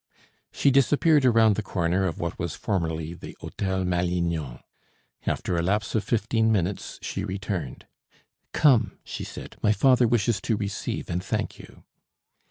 She disappeared around the corner of what was formerly the Hôtel Malignon. After a lapse of fifteen minutes she returned. "Come," she said, "my father wishes to receive and thank you."